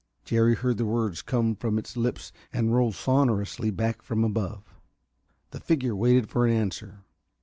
Jerry heard the words come from its lips and roll sonorously back from above. The figure waited for an answer.